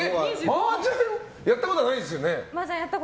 マージャンやったことないですね。